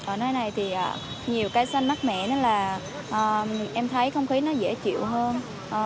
ở nơi này thì nhiều cây xanh mát mẻ nên là em thấy không khí nó dễ chịu hơn